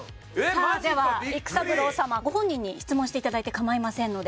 さあでは育三郎様ご本人に質問していただいて構いませんので。